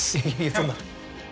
そんな。